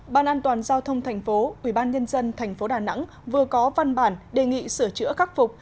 ban an toàn giao thông thành phố ubnd tp đà nẵng vừa có văn bản đề nghị sửa chữa khắc phục